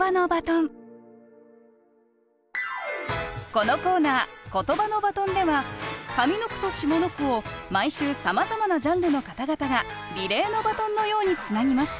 このコーナー「ことばのバトン」では上の句と下の句を毎週さまざまなジャンルの方々がリレーのバトンのようにつなぎます。